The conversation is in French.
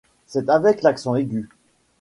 C’est avec l’accent aigu.